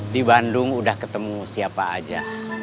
di bandung udah ketemu siapa aja